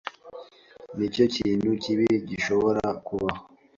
Nicyo kintu kibi gishobora kubaho.